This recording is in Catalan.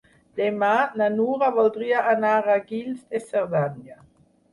Demà na Nura voldria anar a Guils de Cerdanya.